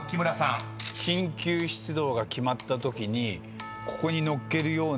緊急出動が決まったときにここに載っけるような。